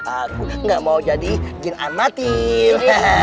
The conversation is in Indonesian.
aku gak mau jadi jin an matil